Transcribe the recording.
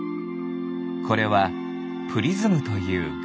これはプリズムというガラス。